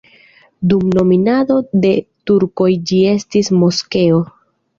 Dum dominado de turkoj ĝi estis moskeo.